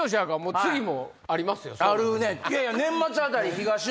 あるね！